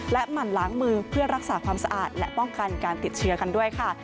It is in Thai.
หมั่นล้างมือเพื่อรักษาความสะอาดและป้องกันการติดเชื้อกันด้วยค่ะ